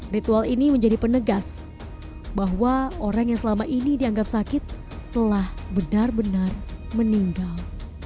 ritual ini menjadi penegas bahwa orang yang selama ini dianggap sakit telah benar benar meninggal